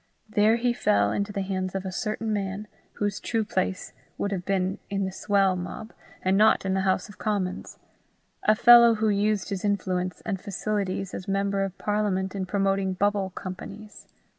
There he fell into the hands of a certain man, whose true place would have been in the swell mob, and not in the House of Commons a fellow who used his influence and facilities as member of Parliament in promoting bubble companies.